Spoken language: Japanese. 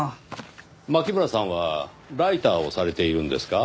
牧村さんはライターをされているんですか？